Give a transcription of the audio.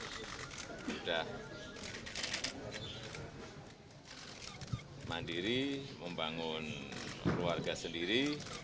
sudah mandiri membangun keluarga sendiri